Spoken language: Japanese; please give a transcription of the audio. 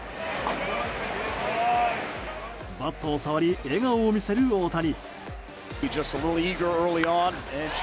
バットを触り笑顔を見せる大谷。